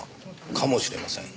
かもしれません。